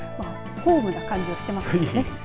ホームな感じがしてますよね。